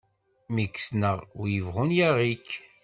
Mi k-ssneɣ, wi ibɣun yaɣ-ik!